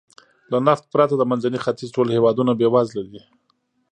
له نفت پرته د منځني ختیځ ټول هېوادونه بېوزله دي.